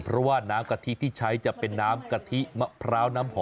เพราะว่าน้ำกะทิที่ใช้จะเป็นน้ำกะทิมะพร้าวน้ำหอม